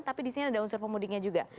tapi di sini ada unsur pemudiknya juga